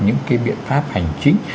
những cái biện pháp hành chính